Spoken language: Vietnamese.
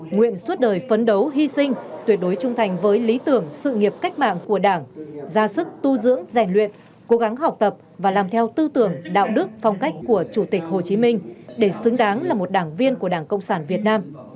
nguyện suốt đời phấn đấu hy sinh tuyệt đối trung thành với lý tưởng sự nghiệp cách mạng của đảng ra sức tu dưỡng rèn luyện cố gắng học tập và làm theo tư tưởng đạo đức phong cách của chủ tịch hồ chí minh để xứng đáng là một đảng viên của đảng cộng sản việt nam